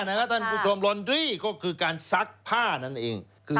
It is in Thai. ซักผ้านะครับท่านผู้ชมลอนดรี่ก็คือการซักผ้านั่นเอง